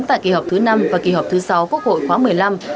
tại kỳ họp thứ năm và kỳ họp thứ sáu quốc hội khóa một mươi năm